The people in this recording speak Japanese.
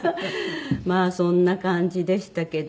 まあそんな感じでしたけど。